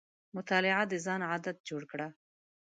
مطالعه د ځان عادت جوړ کړه.